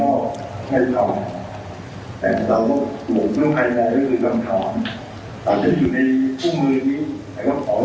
อาจจะพิพันธ์รักสิ้นเผินเรื่องข้อมูลจำนวัลในภาคภูมิก็ไม่มีข้อมูล